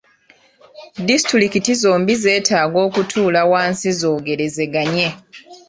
Disitulikiti zombi zeetaaga okutuula wansi zoogerezeganye.